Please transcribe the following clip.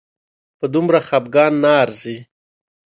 په دومره خپګان نه ارزي